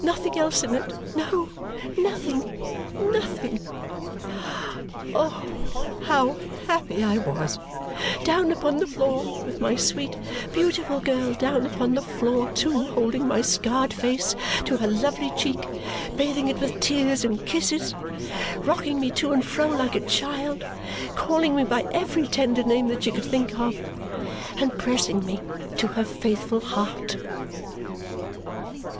Nothing else in it no, nothing, nothing! Oh, how happy I was, down upon the floor, with my sweet beautiful girl down upon the floor too, holding my scarred face to her lovely cheek, bathing it with tears and kisses, rocking me to and fro like a child, calling me by every tender name that she could think of, and pressing me to her faithful heart.